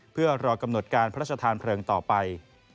เพื่อรอกำหนดการพระราชทานเพลิงต่อไป